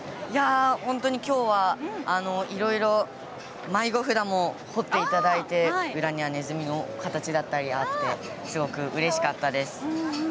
本当に今日は、いろいろ迷子札も彫っていただいて裏にはねずみの形だったりがあってすごく、うれしかったです。